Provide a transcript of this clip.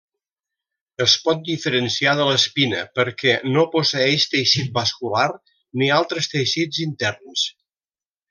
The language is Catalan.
Es pot diferenciar de l'espina perquè no posseeix teixit vascular ni altres teixits interns.